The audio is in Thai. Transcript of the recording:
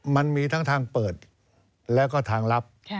มันมีทั้งทางเปิดแล้วก็ทางลับ